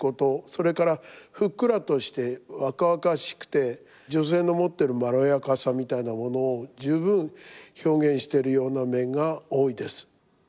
それからふっくらとして若々しくて女性の持ってるまろやかさみたいなものを十分表現してるような面が多いです。